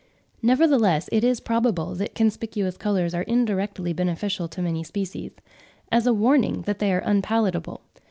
Nevertheless, it is probable that conspicuous colours are indirectly beneficial to many species, as a warning that they are unpalatable.